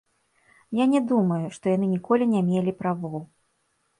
Я не думаю, што яны ніколі не мелі правоў.